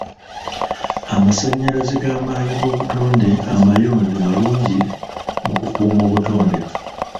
Amasanyalaze g'amaanyi g'obutonde amayonjo malungi mu kukuuma obutonde.